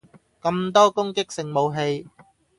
咁多攻擊性武器